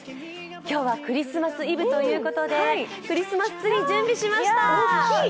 今日はクリスマスイブということでクリスマスツリー準備しました。